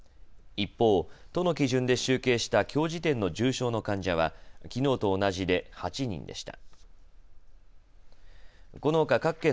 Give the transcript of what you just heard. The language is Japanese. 一方、都の基準で集計したきょう時点の重症の患者はきのうと同じで８人でした。